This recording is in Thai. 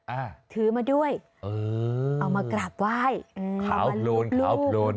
อ่าถือมาด้วยเออเอามากราบไหว้อืมขาวโพลนขาวโพลน